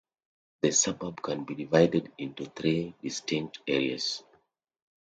The suburb can be divided into three distinct areas.